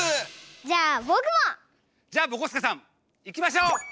じゃあぼくも！じゃあぼこすけさんいきましょう！